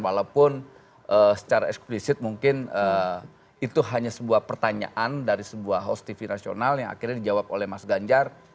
dan kemudian secara eksplisit mungkin itu hanya sebuah pertanyaan dari sebuah host tv nasional yang akhirnya dijawab oleh mas ganjar